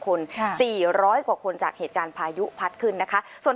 คนค่ะสี่ร้อยกว่าคนจากเหตุการณ์พายุพัดขึ้นนะคะส่วน